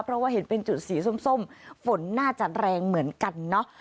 เพราะว่าเห็นเป็นจุดสีส้มฝนน่าจะแรงเหมือนกันเนาะ